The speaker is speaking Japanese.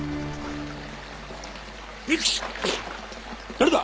誰だ？